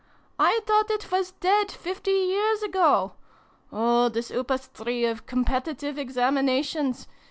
" I thought it was dead, fifty years ago ! Oh this Upas tree of Competitive Examinations